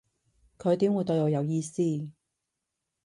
佢點會對我有意思